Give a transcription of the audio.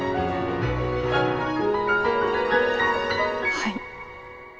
はい。